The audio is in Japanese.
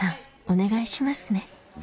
お願いしますね